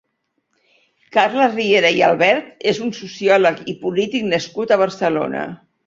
Carles Riera i Albert és un sociòleg i polític nascut a Barcelona.